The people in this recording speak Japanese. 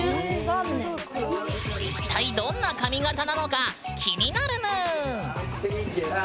一体どんな髪形なのか気になるぬん。